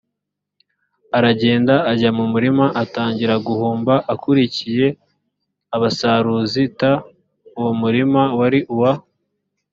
aragenda ajya mu murima atangira guhumba akurikiye abasaruzi t uwo murima wari uwa